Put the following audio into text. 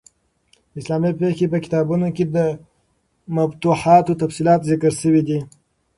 د اسلامي فقهي په کتابو کښي د مفتوحانو تفصیلات ذکر سوي دي.